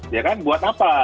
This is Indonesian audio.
ya kan buat apa